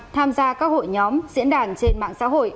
tham gia các hội nhóm diễn đàn trên mạng xã hội